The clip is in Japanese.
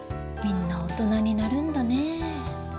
みんな大人になるんだね。